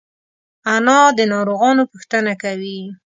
انا د ناروغانو پوښتنه کوي